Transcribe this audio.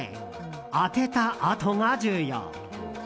当てたあとが重要！